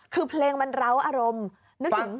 คือเพลงมันเสร้าอารมณ์